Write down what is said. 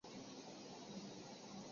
但在某些人身上可能会持续再发。